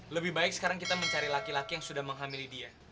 lebih baik sekarang kita mencari laki laki yang sudah menghamili dia